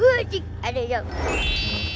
ada jadi ke laut